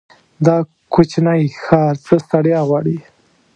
دا کوچينی ښار څه ستړيا غواړي.